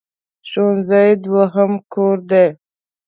ښوونځی دوهم کور دی.